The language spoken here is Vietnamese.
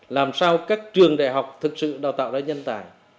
làm sao các trường đại học thực sự đào tạo ra nhân tài